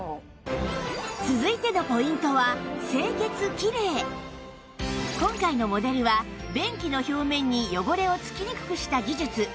続いてのポイントは今回のモデルは便器の表面に汚れを付きにくくした技術セフィオンテクトに加え